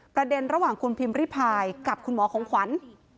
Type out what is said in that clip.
ประเด็นระหว่างคุณพิมริพายกับคุณหมอของขวัญ